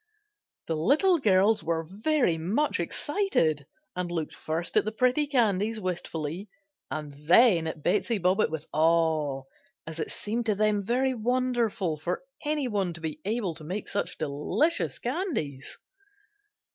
The little girls were very much excited and looked first at the pretty candies wistfully and then at Betsey Bobbitt with awe as it seemed to them very wonderful for any one to be able to make such delicious candies.